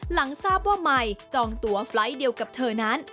หลังทราบว่าใหม่จองตัวไฟล์ทเดียวกับเธอนั้น